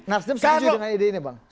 nasdem setuju dengan ide ini bang